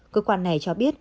cơ quan này cho biết